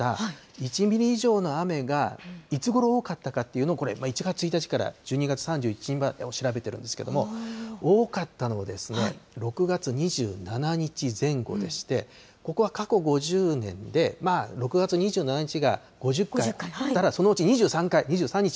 １ミリ以上の雨がいつごろ多かったかというのを、これ、１月１日から１２月３１日までを調べてるんですけれども、多かったのは、６月２７日前後でして、ここは過去５０年で、６月２７日が５０回あったらそのうち２３回、２３日